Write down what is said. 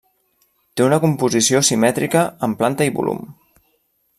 Té una composició simètrica en planta i volum.